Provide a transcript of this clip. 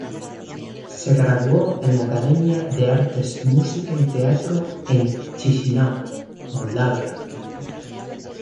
Se graduó en la Academia de Artes, Música y Teatro en Chisináu, Moldavia.